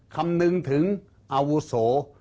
คำนึงถึงอาวุโส